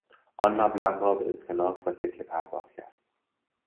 آن مبلغ را به اسکناس و سکه پرداخت کرد.